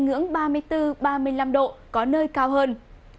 ngưỡng ba mươi bốn ba mươi năm độ có nơi cao hơn